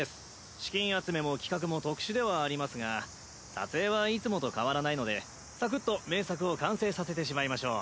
資金集めも企画も特殊ではありますが撮影はいつもと変わらないのでさくっと名作を完成させてしまいましょう。